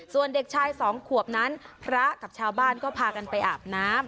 ส่วนเด็กชายสองขวบนั้นพระกับชาวบ้านก็พากันไปอาบน้ำ